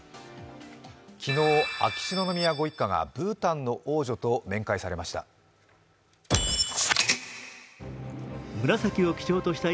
昨日、秋篠宮ご一家がブータンの王女らと面会されました。